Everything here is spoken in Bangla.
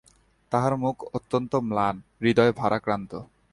তাহার মুখ অত্যন্ত ম্লান, হৃদয় ভারাক্রান্ত।